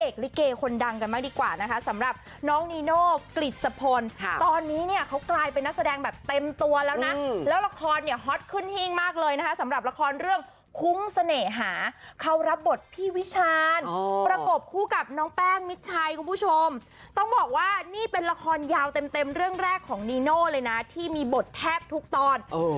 สำหรับน้องนีโน่กฤษพลตอนนี้เนี่ยเขากลายเป็นนักแสดงแบบเต็มตัวแล้วนะแล้วละครเนี่ยฮอตขึ้นหิ้งมากเลยนะคะสำหรับละครเรื่องคุ้งเสน่หาเขารับบทพี่วิชาญประกบคู่กับน้องแป้งมิดชัยคุณผู้ชมต้องบอกว่านี่เป็นละครยาวเต็มเต็มเรื่องแรกของนีโน่เลยนะที่มีบทแทบทุกตอน